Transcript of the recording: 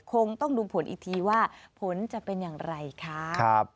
คงต้องดูผลอีกทีว่าผลจะเป็นอย่างไรคะ